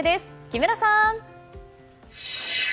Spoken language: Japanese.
木村さん！